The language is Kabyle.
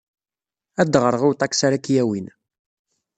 Ad d-ɣreɣ i uṭaksi ara k-yawin.